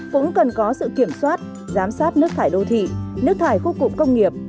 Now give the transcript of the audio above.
cũng cần có sự kiểm soát giám sát nước thải đô thị nước thải khu cụm công nghiệp